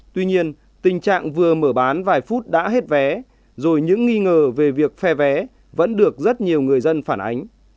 tuy nhiên tình trạng vừa mở bán vài phút đã hết vé rồi những nghi ngờ về việc phe vé vẫn được rất nhiều người dân phản ánh